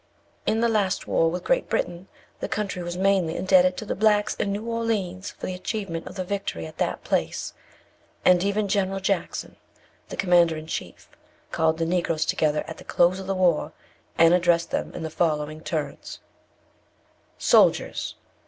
In the last war with Great Britain, the country was mainly indebted to the blacks in New Orleans for the achievement of the victory at that place; and even General Jackson, the commander in chief, called the Negroes together at the close of the war, and addressed them in the following terms: 'Soldiers!